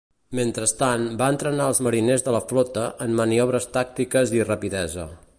Mentrestant va entrenar els mariners de la flota en maniobres tàctiques i rapidesa.